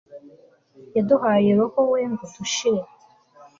yaduhaye roho we ngo dushire